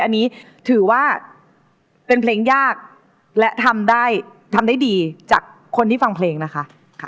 อันนี้ถือว่าเป็นเพลงยากและทำได้ทำได้ดีจากคนที่ฟังเพลงนะคะ